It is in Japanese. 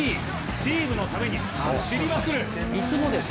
チームのために走りまくる。